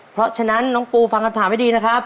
เพราะฉะนั้นน้องปูฟังคำถามให้ดีนะครับ